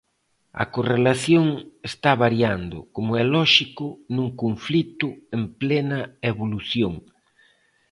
A correlación está variando, como é lóxico nun conflito en plena evolución.